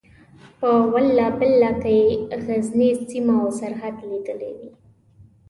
په والله بالله که یې غزنۍ سیمه او سرحد لیدلی وي.